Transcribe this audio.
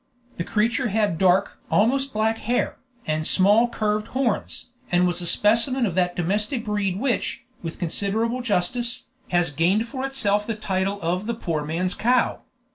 The creature had dark, almost black hair, and small curved horns, and was a specimen of that domestic breed which, with considerable justice, has gained for itself the title of "the poor man's cow."